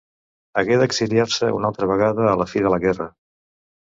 Hagué d’exiliar-se una altra vegada a la fi de la guerra.